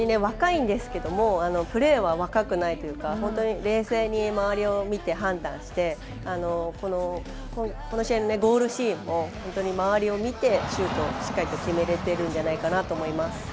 若いんですがプレーは若くないというか冷静に周りを見て判断してこの試合のゴールシーンも周りを見てシュートをしっかりと決めているのではないかと思います。